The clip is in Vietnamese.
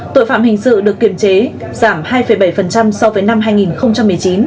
tội phạm hình sự được kiểm chế giảm hai bảy so với năm hai nghìn một mươi chín